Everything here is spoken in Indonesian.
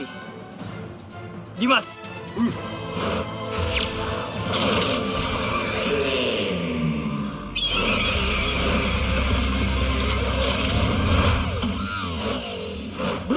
kami tidak lagi memikirkan diri sendiri